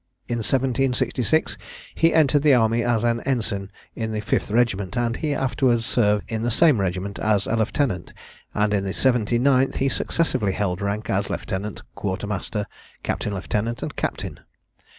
In 1766 he entered the army as an ensign in the 5th regiment; and he afterwards served in the same regiment as a lieutenant; and in the 79th he successively held rank as lieutenant, quarter master, captain lieutenant, and captain.